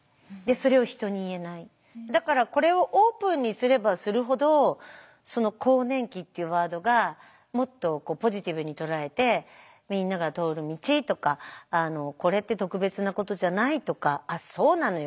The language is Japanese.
だからこれをオープンにすればするほどその「更年期」っていうワードがもっとポジティブに捉えて「みんなが通る道」とか「これって特別なことじゃない」とか「あっそうなのよ。